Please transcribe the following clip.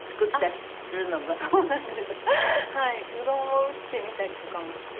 うどんを打ってみたりとかもして。